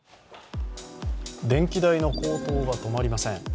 電気代の高騰が止まりません。